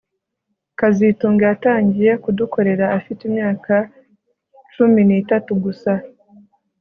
kazitunga yatangiye kudukorera afite imyaka cumi nitatu gusa